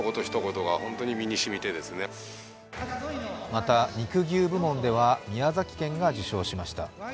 また、肉牛部門では宮崎県が受賞しました。